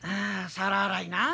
皿洗いなあ。